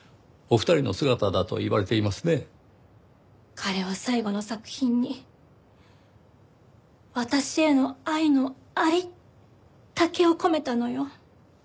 彼は最後の作品に私への愛のありったけを込めたのよ。